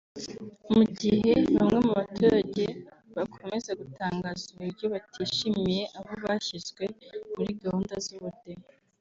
Mu gihe bamwe mu baturage bakomeza gutangaza uburyo batishimiye aho bashyizwe muri gahunda z’ubudehe